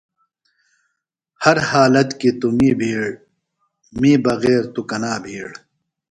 ہر حالت کی توۡ می بِھیڑ می بغیر توۡ کنا بِھیڑ۔